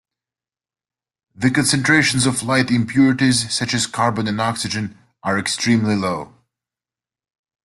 The concentrations of light impurities, such as carbon and oxygen, are extremely low.